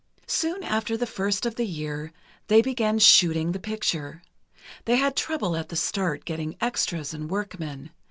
Soon after the first of the year, they began "shooting" the picture. They had trouble at the start, getting extras, and workmen.